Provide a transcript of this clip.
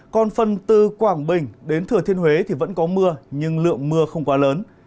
còn phần từ quảng bình đến thừa thiên huế thì vẫn có mưa nhưng lượng mưa không quá lớn